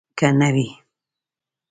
که نه وي.